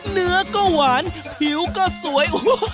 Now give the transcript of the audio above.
เนื้อก็หวานผิวก็สวย